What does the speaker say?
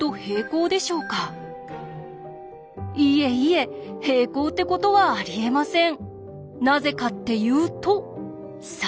いえいえ平行ってことはありえません。